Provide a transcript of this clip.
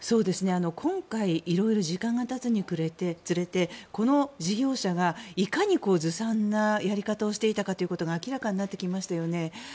今回色々時間がたつにつれてこの事業者がいかにずさんなやり方をしていたかが明らかになってきましたよね。